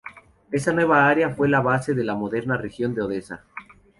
Esta nueva área fue la base de la moderna región de Odesa.